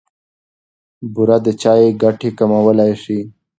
بوره د چای ګټې کمولای شي.